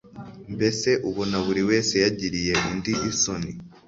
mbese ubona buri wese yagiriye undi isoni